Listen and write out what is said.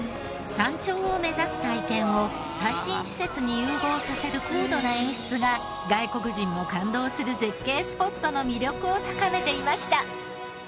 山頂を目指す体験を最新施設に融合させる高度な演出が外国人も感動する絶景スポットの魅力を高めていました。